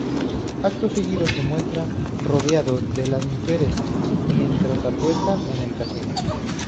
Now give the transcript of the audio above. Acto seguido, se muestran rodeados de mujeres mientras apuestan en el casino.